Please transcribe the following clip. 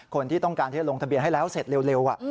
คนที่ต้องการที่จะลงทะเบียนให้แล้วเสร็จเร็ว